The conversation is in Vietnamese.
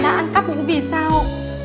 đã ăn cắp cũng vì sao